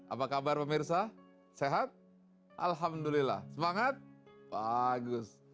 apa kabar pemirsa sehat alhamdulillah semangat bagus